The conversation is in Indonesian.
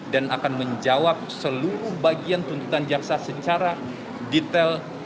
dan akan menjawab seluruh bagian tuntutan jaksa secara detail